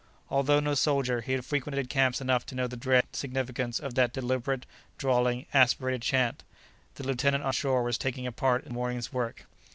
Although no soldier, he had frequented camps enough to know the dread significance of that deliberate, drawling, aspirated chant; the lieutenant on shore was taking a part in the morning's work.